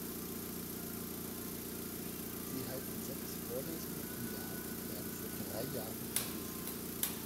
Sie halten sechs Vorlesungen im Jahr und werden für drei Jahre berufen.